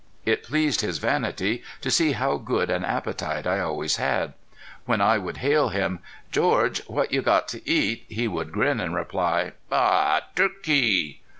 It pleased his vanity to see how good an appetite I always had. When I would hail him: "George, what you got to eat?" he would grin and reply: "Aw, turkee!"